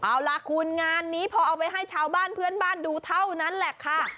เอาล่ะคุณงานนี้พอเอาไว้ให้ชาวบ้านเพื่อนบ้านดูเท่านั้นแหละค่ะ